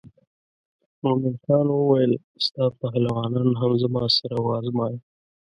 مومن خان وویل ستا پهلوانان هم زما سره وازمایه.